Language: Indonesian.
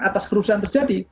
atas kerusuhan terjadi